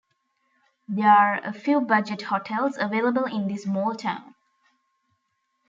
There a few budget hotels available in this small town.